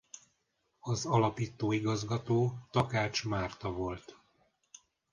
Az alapító igazgató Takács Márta volt.